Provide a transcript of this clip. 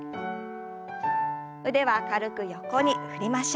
腕は軽く横に振りましょう。